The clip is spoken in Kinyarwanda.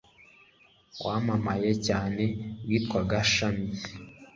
wamamaye cyane witwaga shami